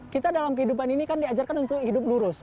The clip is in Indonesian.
kita dalam kehidupan ini kan diajarkan untuk hidup lurus